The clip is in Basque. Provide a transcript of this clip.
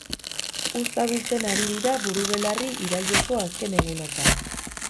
Uzta biltzen ari dira burubelarri iraileko azken egunotan.